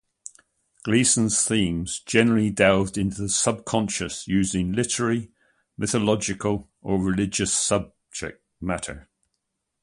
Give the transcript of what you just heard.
Gleeson's themes generally delved into the subconscious using literary, mythological or religious subject matter.